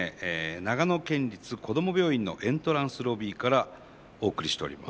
長野県立こども病院のエントランスロビーからお送りしております。